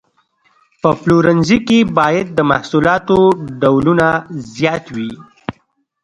په پلورنځي کې باید د محصولاتو ډولونه زیات وي.